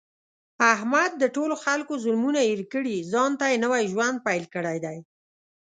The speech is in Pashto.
احمد د ټولو خلکو ظلمونه هېر کړي، ځانته یې نوی ژوند پیل کړی دی.